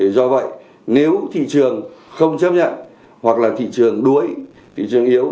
do vậy nếu thị trường không chấp nhận hoặc là thị trường đuối thị trường yếu